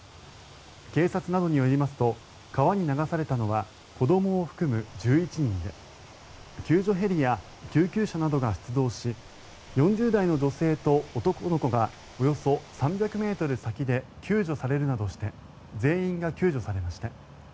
警察などによりますと川に流されたのは子どもを含む１１人で救助ヘリや救急車などが出動し４０代の女性と男の子がおよそ３００ｍ先で救助されるなどして全員が救助されました。